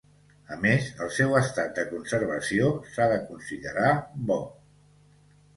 A més, el seu estat de conservació s'ha de considerar bo.